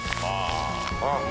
ああ。